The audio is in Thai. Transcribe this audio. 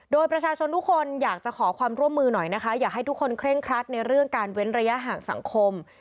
โดยประชาชนทุกคนอยากจะขอความร่วมมือหน่อยนะคะอยากให้ทุกคนเคร่งครัดในเรื่องการเว้นระยะห่างสังคม